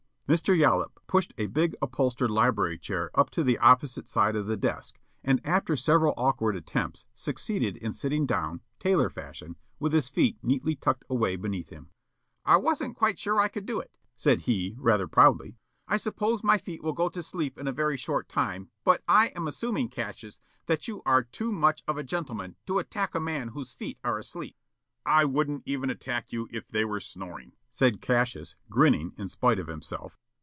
Mr. Yollop pushed a big unholstered library chair up to the opposite side of the desk and, after several awkward attempts, succeeded in sitting down, tailor fashion, with his feet neatly tucked away beneath him. "I wasn't quite sure I could do it," said he, rather proudly. "I suppose my feet will go to sleep in a very short time, but I am assuming, Cassius, that you are too much of a gentleman to attack a man whose feet are asleep." "I wouldn't even attack you if they were snoring," said Cassius, grinning in spite of himself.